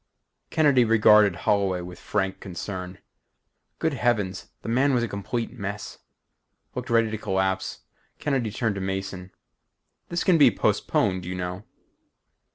Kennedy regarded Holloway with frank concern. Good heavens the man was a complete mess. Looked ready to collapse. Kennedy turned to Mason. "This can be postponed, you know."